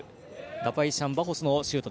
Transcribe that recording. ダパイシャンバホスのシュート。